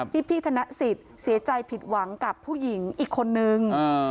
พี่ธนสิทธิ์เสียใจผิดหวังกับผู้หญิงอีกคนนึง